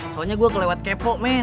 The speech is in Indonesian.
soalnya gue kelewat kepo nih